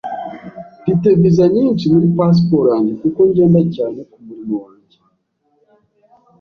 Mfite visa nyinshi muri pasiporo yanjye kuko ngenda cyane kumurimo wanjye.